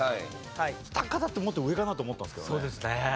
喜多方ってもっと上かなって思ったんですけどね。